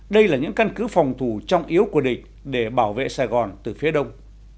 đây là những căn cứ phòng thủ trọng yếu của địch để bảo vệ sài gòn từ phía đông